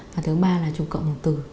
và thứ ba là trù cộng tử